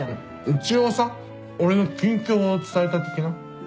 一応さ俺の近況を伝えた的な。